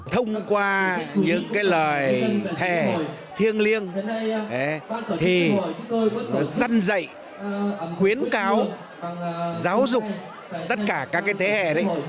thông qua những lời thề thiêng liêng thì dân dạy khuyến cáo giáo dục tất cả các thế hệ đấy